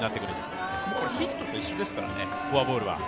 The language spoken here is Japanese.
これヒットと一緒ですからね、フォアボールは。